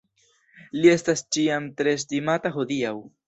Li estas ĉiam tre estimata hodiaŭ.